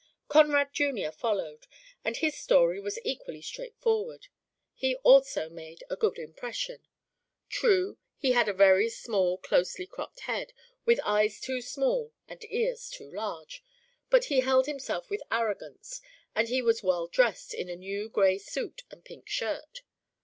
Conrad Jr. followed, and his story was equally straightforward. He also made a good impression. True, he had a very small closely cropped head, with eyes too small and ears too large, but he held himself with arrogance, and he was well dressed in a new grey suit and pink shirt.